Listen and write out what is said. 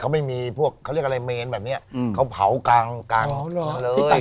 เขาไม่มีพวกเขาเรียกอะไรเมนแบบเนี้ยอืมเขาเผากังกังอ๋อหรอที่ต่าง